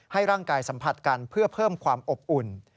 ให้ร่างกายสัมผัสกันเพื่อเพิ่มความอบอุ่น